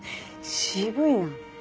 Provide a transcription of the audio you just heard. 渋いな。